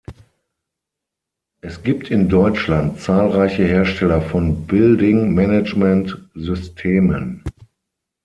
Es gibt in Deutschland zahlreiche Hersteller von Building Management Systemen.